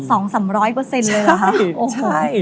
๒๓๐๐เลยเหรอคะ